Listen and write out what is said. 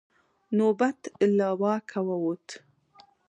نوبت له واکه ووت.